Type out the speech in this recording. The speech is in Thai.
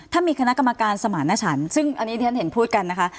ถ้ามีคณะกรรมการสมารณชันซึ่งอันนี้ที่ฉันเห็นพูดกันนะคะ